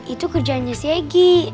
itu kerjaannya si egy